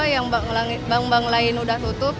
yang bank bank lain sudah tutup